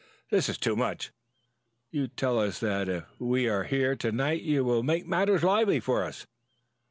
This is too much. You tell us that if we are here to night you will make matters lively for us.